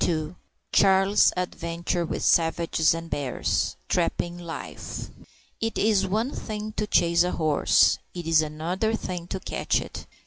Charlie's adventures with savages and bears Trapping life. It is one thing to chase a horse; it is another thing to catch it.